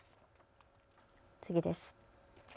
次です。